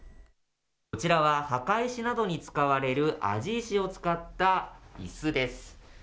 こちらは墓石などに使われる、庵治石を使ったいすです。